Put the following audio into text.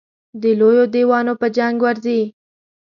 د لویو دېوانو په جنګ ورځي.